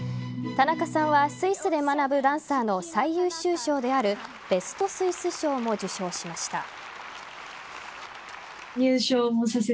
田中さんはスイスで学ぶダンサーの最優秀賞であるベスト・スイス賞も受賞しました。